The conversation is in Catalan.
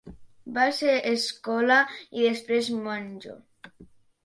Va ser escola i després monjo.